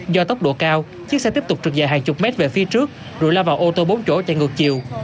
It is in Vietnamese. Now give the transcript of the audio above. do tốc độ cao chiếc xe tiếp tục trực dài hàng chục mét về phía trước rồi lao vào ô tô bốn chỗ chạy ngược chiều